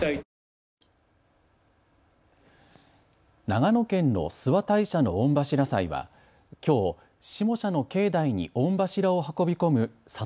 長野県の諏訪大社の御柱祭はきょう下社の境内に御柱を運び込む里